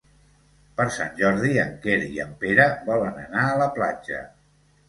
Per Sant Jordi en Quer i en Pere volen anar a la platja.